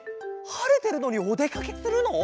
はれてるのにおでかけするの？